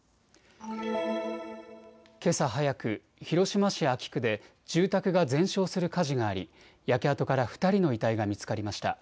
けさ早く広島市安芸区で住宅が全焼する火事があり焼け跡から２人の遺体が見つかりました。